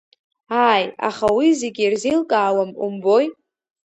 Ааи, аха уи зегьы ирзеилкауам умбои?